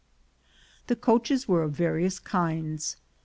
The coaches were of various kinds.